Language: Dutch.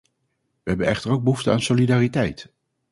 We hebben echter ook behoefte aan solidariteit.